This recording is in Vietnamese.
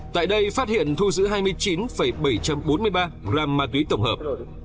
tại đây phát hiện thu giữ hai mươi chín bảy trăm bốn mươi ba gram ma túy tổng hợp